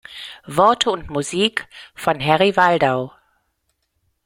Worte und Musik von Harry Waldau.